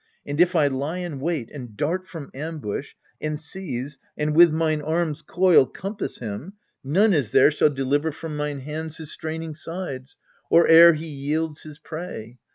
And if I lie in, wait, and dart from ambush, And seize, and with mine arms' coil compass him, None is there shall deliver from mine hands His straining sides, or e'er he yields his prey.